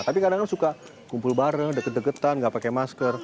tapi kadang kadang suka kumpul bareng deket deketan nggak pakai masker